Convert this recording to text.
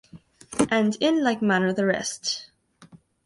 And in like manner the rest.